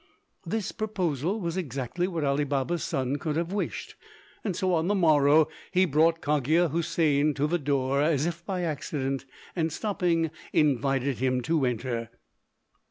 This proposal was exactly what Ali Baba's son could have wished, so on the morrow he brought Cogia Houssain to the door as if by accident, and stopping, invited him to enter.